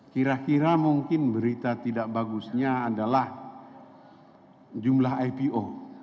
kira kira mungkin berita tidak bagusnya adalah jumlah ipo